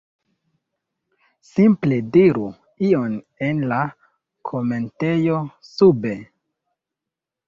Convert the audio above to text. simple diru ion en la komentejo sube